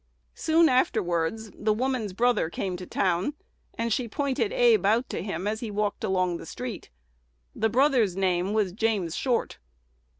Soon afterwards the woman's brother came to town, and she pointed Abe out to him as he walked along the street. The brother's name was James Short.